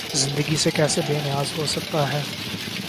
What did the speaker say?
زندگی سے کیسے بے نیاز ہو سکتا ہے؟